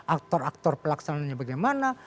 aktor aktor pelaksanaannya bagaimana